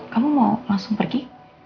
kamu mau langsung pergi